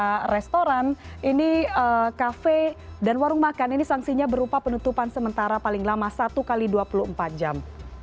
di restoran ini kafe dan warung makan ini sangsinya berupa penutupan sementara paling lama satu x dua puluh empat jam